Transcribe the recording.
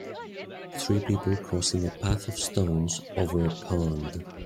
Three people crossing a path of stones over a pond.